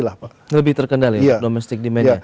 lebih terkendali domestik timannya